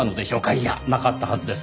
いやなかったはずです。